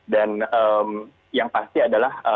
dan yang pasti adalah